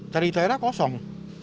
dari daerah kosong